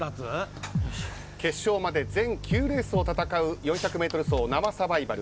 決勝まで全９レースを戦う４００メートル走生サバイバル。